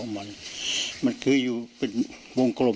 มันมันคืออยู่เป็นวงกลม